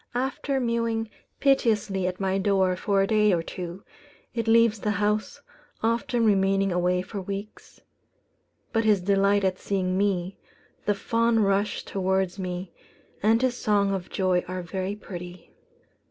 After mewing piteously at my door for a day or two, it leaves the house, often remaining away for weeks; but his delight at seeing me, the fond rush towards me, and his song of joy are very pretty."